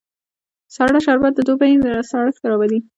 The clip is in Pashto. سړه شربت د دوبی سړښت راولي